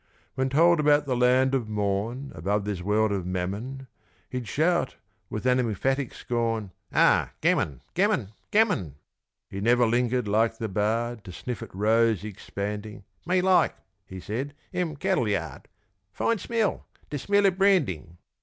When told about the Land of Morn Above this world of Mammon, He'd shout, with an emphatic scorn, "Ah, gammon, gammon, gammon!" He never lingered, like the bard, To sniff at rose expanding. "Me like," he said, "em cattle yard Fine smell de smell of branding!"